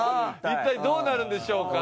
一体どうなるんでしょうか？